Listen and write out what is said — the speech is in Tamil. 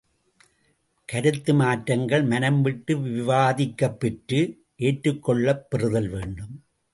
கருத்து மாற்றங்கள் மனம்விட்டு விவாதிக்கப் பெற்று ஏற்றுக் கொள்ளப் பெறுதல் வேண்டும்.